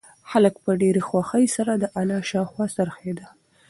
هلک په ډېرې خوښۍ سره د انا شاوخوا څرخېده.